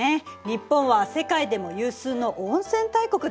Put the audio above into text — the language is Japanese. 日本は世界でも有数の温泉大国だもんね。